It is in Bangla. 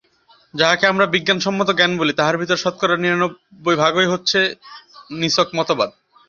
যাহাকে আমরা বিজ্ঞানসম্মত জ্ঞান বলি, তাহার ভিতর শতকরা নিরানব্বই ভাগই হইতেছে নিছক মতবাদ।